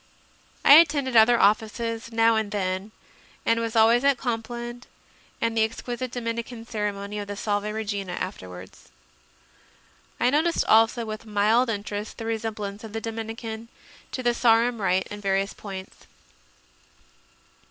I attended other Offices now and then and was always at Compline and the exquisite Domin ican ceremony of the Sake Regina afterwards. I noticed also with mild interest the resemblance of the Dominican to the Sarum rite in various points.